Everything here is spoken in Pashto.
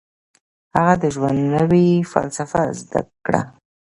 هغه د ژوند نوې فلسفه زده کړه.